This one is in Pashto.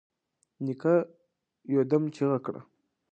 نيکه يودم چيغه کړه.